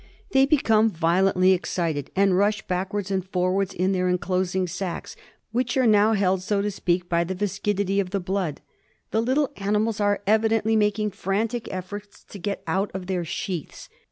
They become violently excited, and rush backwards and forwards in their enclosing sacs, which are now held, so to speak, by the viscidity of the blood. The little animals are evidently making frantic efforts to get out of their sheaths.